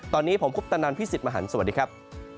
ตอนนี้ผมคุปตนันพี่สิทธิ์มหันฯสวัสดีครับ